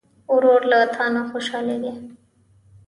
ورور له تا نه خوشحالېږي.